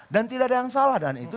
dan tidak ada yang salah dengan itu